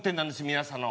皆さんの。